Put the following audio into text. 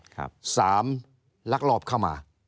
สามลักลอบเข้ามา